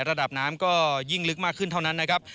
ระดับน้ำก็ยิ่งลึกมากขึ้นเท่านั้นนะครับ